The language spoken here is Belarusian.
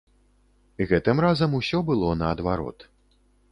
Гэтым разам усё было наадварот.